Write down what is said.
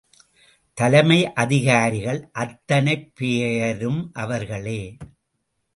தலைமை அதிகாரிகள் அத்தனைப் பெயரும் அவர்களே.